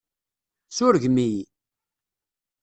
Surgem-iyi!